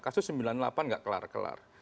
kasus sembilan puluh delapan nggak kelar kelar